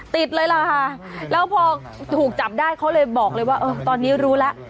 ติดเลยล่ะค่ะแล้วพอถูกจับได้เขาเลยบอกเลยว่าตอนนี้รู้แล้ว